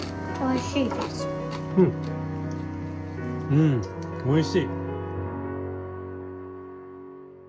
うんおいしい。